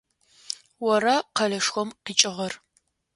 Ора къэлэшхом къикӏыгъэр?